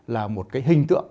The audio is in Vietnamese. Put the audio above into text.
là một hình tượng